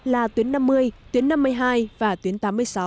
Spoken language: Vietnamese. là tuyến năm mươi tuyến năm mươi hai và tuyến tám mươi sáu